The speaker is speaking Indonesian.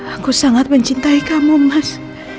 aku sangat mencintai kamu mas